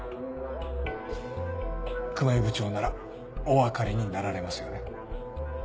熊井部長ならお分かりになられますよね？